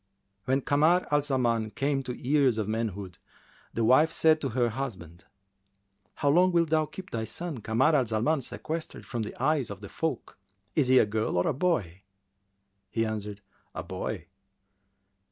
When Kamar al Zaman came to years of manhood, the wife said to her husband, "How long wilt thou keep thy son Kamar al Zaman sequestered from the eyes of the folk? Is he a girl or a boy?" He answered, "A boy."